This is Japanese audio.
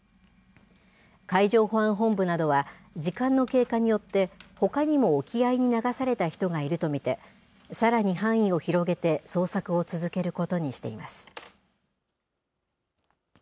海上保安本部などは、時間の経過によって、ほかにも沖合に流された人がいると見て、さらに範囲を広げて捜索を続けることにしています。